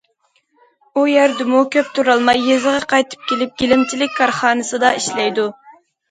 ئۇ يەردىمۇ كۆپ تۇرالماي، يېزىغا قايتىپ كېلىپ گىلەمچىلىك كارخانىسىدا ئىشلەيدۇ.